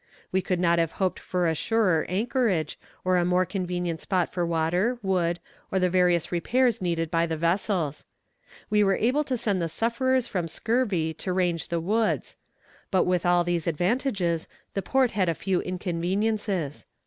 We could not have hoped for a surer anchorage, or a more convenient spot for water, wood, or the various repairs needed by the vessels. We were able to send the sufferers from scurvy to range the woods. But with all these advantages, the port had a few inconveniences.